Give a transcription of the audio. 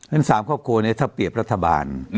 นั้นสามครอบครัวเนี่ยถ้าเปรียบรัฐบาล